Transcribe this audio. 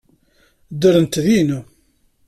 Ddrent din.